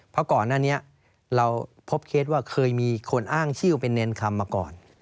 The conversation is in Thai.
เพราะก่อนหน้านี้เราพบเคสว่าเคยมีคนอ้างชื่อเป็นเนรคำมาก่อน